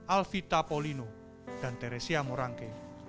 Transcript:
alvita polino dan teresia morangke